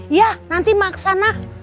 iya nanti mak kesana